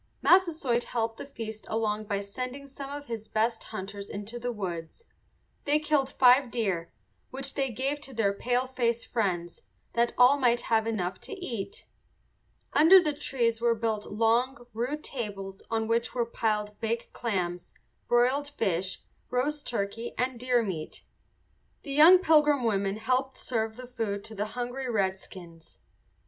Massasoit helped the feast along by sending some of his best hunters into the woods. They killed five deer, which they gave to their paleface friends, that all might have enough to eat. Under the trees were built long, rude tables on which were piled baked clams, broiled fish, roast turkey, and deer meat. The young Pilgrim women helped serve the food to the hungry redskins.